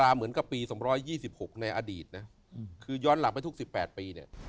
เหมือนกับปี๒๒๖ในอดีตนะคือย้อนหลังไปทุก๑๘ปีเนี่ย